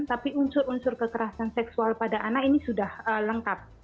tapi unsur unsur kekerasan seksual pada anak ini sudah lengkap